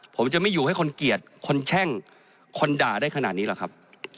ผมจะไม่อยู่ให้คนเกลียดคนแช่งคนด่าได้ขนาดนี้หรอกครับ